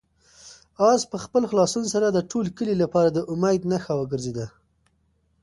آس په خپل خلاصون سره د ټول کلي لپاره د امید نښه وګرځېده.